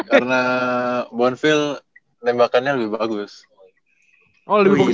karena bonville tembakannya lebih bagus